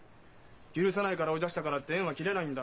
許さないから追い出したからって縁は切れないんだ。